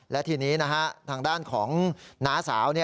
และทีนี้ทางด้านของน้าสาว